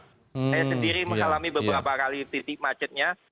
saya sendiri mengalami beberapa kali titik macetnya